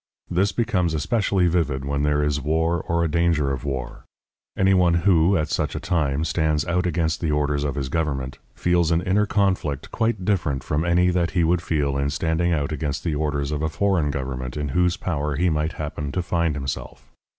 This becomes especially vivid when there is war or a danger of war. Any one who, at such a time, stands out against the orders of his government feels an inner conflict quite different from any that he would feel in standing out against the orders of a foreign government in whose power he might happen to find himself.